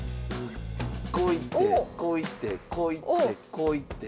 こう行ってこう行ってこう行ってこう行って。